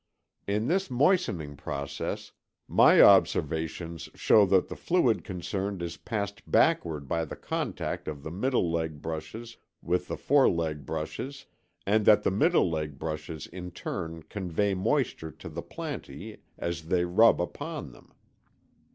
In this moistening process my observations show that the fluid concerned is passed backward by the contact, of the middle leg brushes with the wet foreleg brushes and that the middle leg brushes in turn convey moisture to the plantæ as they rub upon them.